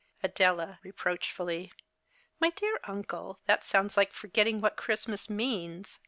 Adela (reproachfully). My dear uncle, that sounds like forgetting what Christmas means.